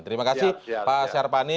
terima kasih pak syarpani